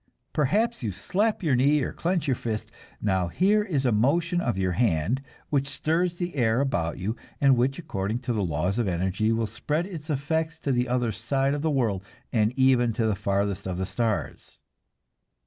Perhaps you slap your knee or clench your fist. Now here is a motion of your hand, which stirs the air about you, and which, according to the laws of energy, will spread its effects to the other side of the world, and even to the farthest of the stars.